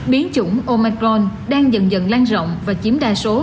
biến chủng omicron đang dần dần lan rộng và chiếm đa số